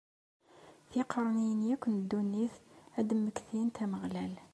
Tiqerniyin akk n ddunit ad d-mmektint Ameɣlal.